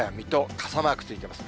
傘マークついてます。